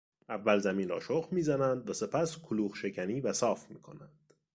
اول زمین را شخم میزنند و سپس کلوخشکنی و صاف میکنند.